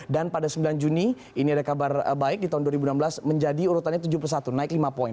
dan pada sembilan juni ini ada kabar baik di tahun dua ribu enam belas menjadi urutannya tujuh puluh satu naik lima poin